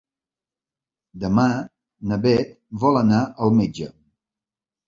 Demà na Bet vol anar al metge.